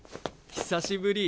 久しぶり。